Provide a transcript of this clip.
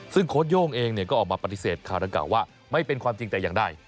ซึ่งโค้ดโย่งเองก็ออกมาปฏิเสธข่าวดังกล่าวว่าไม่เป็นความจริงแต่อย่างใด